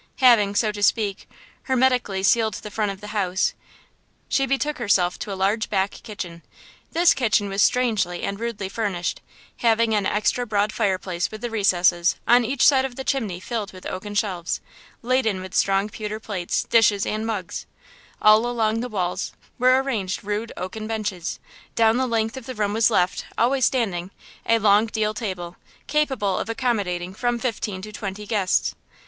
Having, so to speak, hermetically sealed the front of the house, she betook herself to a large back kitchen. This kitchen was strangely and rudely furnished, having an extra broad fireplace with the recesses, on each side of the chimney filled with oaken shelves, laden with strong pewter plates, dishes and mugs; all along the walls were arranged rude, oaken benches; down the length of the room was left, always standing, a long deal table, capable of accommodating from fifteen to twenty guests.